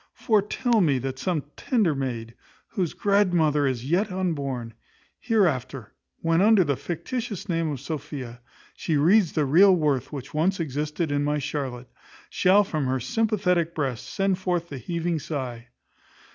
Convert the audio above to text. Foretel me that some tender maid, whose grandmother is yet unborn, hereafter, when, under the fictitious name of Sophia, she reads the real worth which once existed in my Charlotte, shall from her sympathetic breast send forth the heaving sigh.